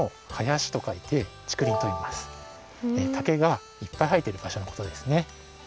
竹がいっぱいはえてるばしょのことですね。